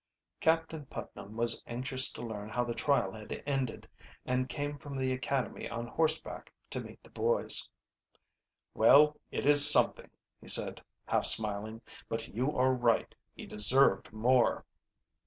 Captain Putnam was anxious to learn how the trial had ended, and came from the academy on horseback to meet the boys. "Well, it is something," he said, half smiling. "But you are right, he deserved more."